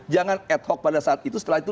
jangan ad hoc pada saat itu setelah itu